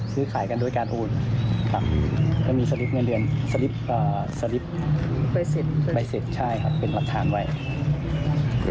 จากลูกค้าที่เขาสั่งจองหวยของเรานะคะ